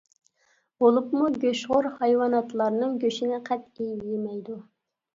بولۇپمۇ گۆشخور ھايۋاناتلارنىڭ گۆشىنى قەتئىي يېمەيدۇ.